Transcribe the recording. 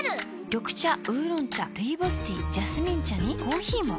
緑茶烏龍茶ルイボスティージャスミン茶にコーヒーも。